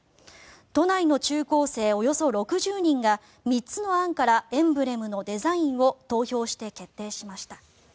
都内の中高生およそ６０人が３つの案からエンブレムのデザインを投票して決定しました。